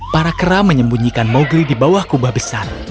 para kera menyembunyikan mowgri di bawah kubah besar